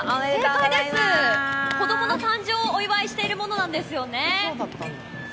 子供の誕生をお祝いしているものなんですね。